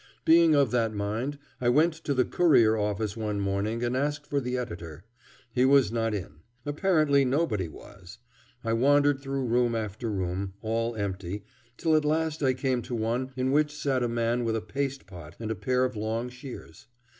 Being of that mind, I went to the Courier office one morning and asked for the editor. He was not in. Apparently nobody was. I wandered through room after room, all empty, till at last I came to one in which sat a man with a paste pot and a pair of long shears.